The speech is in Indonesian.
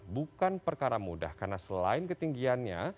bukan perkara mudah karena selain ketinggiannya